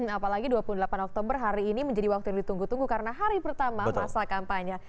apalagi dua puluh delapan oktober hari ini menjadi waktu yang ditunggu tunggu karena hari pertama masa kampanye